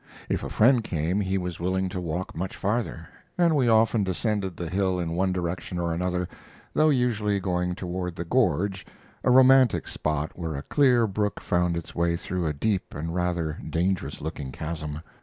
If a friend came, he was willing to walk much farther; and we often descended the hill in one direction or another, though usually going toward the "gorge," a romantic spot where a clear brook found its way through a deep and rather dangerous looking chasm.